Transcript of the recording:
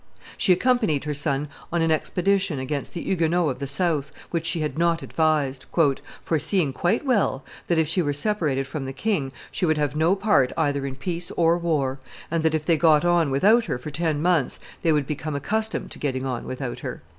She accompanied her son on an expedition against the Huguenots of the South, which she had not advised, "foreseeing quite well that, if she were separated from the king, she would have no part either in peace or war, and that, if they got on without her for ten months, they would become accustomed to getting on without her."